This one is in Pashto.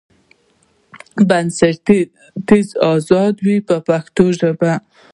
بنسټیزه ازادي وي په پښتو ژبه.